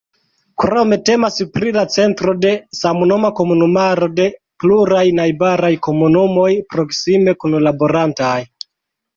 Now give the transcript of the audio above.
Krome temas pri la centro de samnoma komunumaro de pluraj najbaraj komunumoj proksime kunlaborantaj.